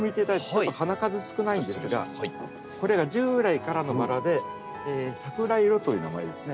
ちょっと花数少ないんですがこれが従来からのバラで「さくらいろ」という名前ですね。